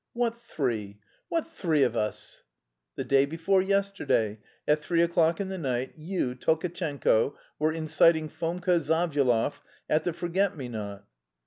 "What three? What three of us?" "The day before yesterday, at three o'clock in the night, you, Tolkatchenko, were inciting Fomka Zavyalov at the 'Forget me not.'"